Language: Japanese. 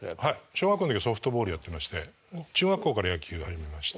小学校の時はソフトボールやってまして中学校から野球を始めまして。